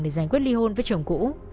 để giải quyết ly hôn với chồng cũ